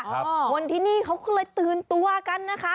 คนที่นี่เขาก็เลยตื่นตัวกันนะคะ